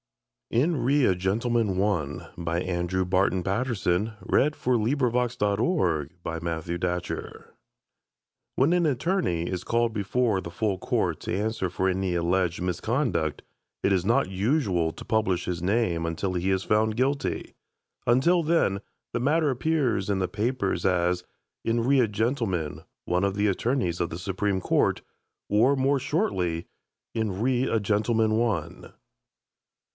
Jane, And a packet o' nails had the twa emus; But the dour good wife got nane. "In Re a Gentleman, One" When an attorney is called before the Full Court to answer for any alleged misconduct it is not usual to publish his name until he is found guilty; until then the matter appears in the papers as "In re a Gentleman, One of the Attorneys of the Supreme Court", or, more shortly, "In re a Gentleman, One".